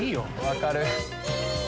分かる！